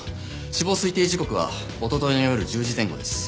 死亡推定時刻はおとといの夜１０時前後です。